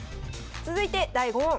続いて第５問。